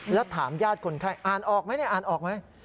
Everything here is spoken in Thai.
แล้วถามญาติคนไข้อ่านออกไหมเนี่ยอ่านออกไหม